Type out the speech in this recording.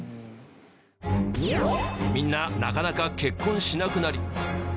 みんななかなか結婚しなくなり。